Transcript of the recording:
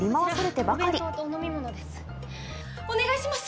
お願いします！